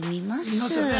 見ますよね